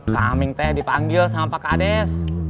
kaming teh dipanggil sama pak kades